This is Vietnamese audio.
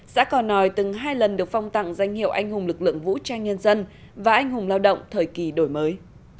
xã cò nòi từng hai lần được phong tặng danh hiệu anh hùng lực lượng vũ trang nhân dân và anh hùng lao động thời kỳ đổi mới